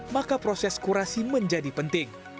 maka proses kurasi menjadi penting